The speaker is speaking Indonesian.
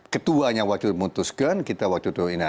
ketuanya waktu itu memutuskan kita waktu itu ini